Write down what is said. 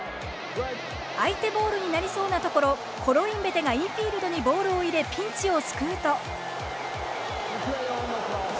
相手ボールになりそうなところコロインベテがインフィールドにボールを入れ、ピンチを救うと。